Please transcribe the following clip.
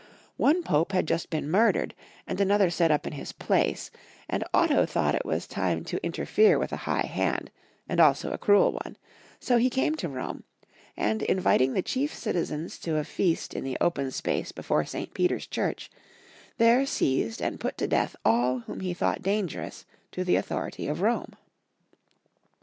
One Pope had just been murdered, and another set up in his place, and Otto thought it was time to interfere with a high hand, and also a cruel one ; so he came to Rome, and inviting the chief citizens to a feast in the open space before St. Peter's Church, there seized and put to death all whom he thought dangerous to the authority of Rome.